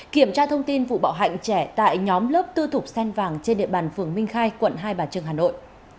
kiểm tra thông tin vụ bạo hạnh trẻ tại nhóm lớp tư thục sen vàng trên địa bàn phường minh khai quận hai bà trưng hà nội